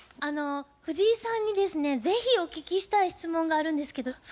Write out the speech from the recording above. あの藤井さんにですね是非お聞きしたい質問があるんですけど。